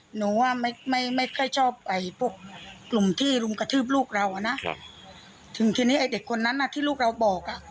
หนูว่าไม่ค่อยชอบกลุ่มที่รุ่งกระทืบลูกเราถึงทีนี้ไอ้เด็กคนนั้นที่ลูกเราบอก